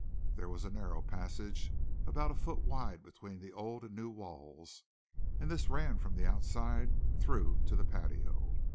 There was a narrow passage about a foot wide between the old and new walls, and this ran from the outside through to the patio.